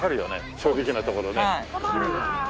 正直なところね。